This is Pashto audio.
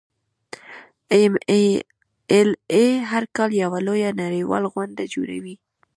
ایم ایل اې هر کال یوه لویه نړیواله غونډه جوړوي.